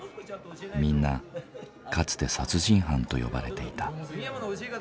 みんなかつて「殺人犯」と呼ばれていた。